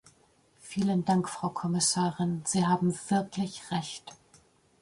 Vielen Dank, Frau Kommissarin, Sie haben wirklich Recht.